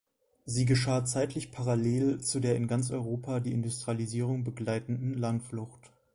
Sie geschah zeitlich parallel zu der in ganz Europa die Industrialisierung begleitenden Landflucht.